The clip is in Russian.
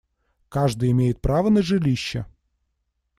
Каждый имеет право на жилище.